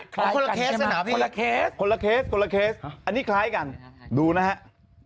คนละเคสเนอะรึเปล่าอันนี้คล้ายกันดูนะครับ